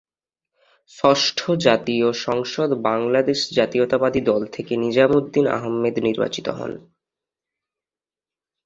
ষষ্ঠ জাতীয় সংসদ বাংলাদেশ জাতীয়তাবাদী দল থেকে নিজাম উদ্দিন আহম্মেদ নির্বাচিত হন।